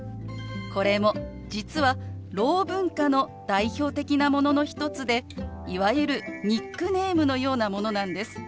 これも実はろう文化の代表的なものの一つでいわゆるニックネームのようなものなんです。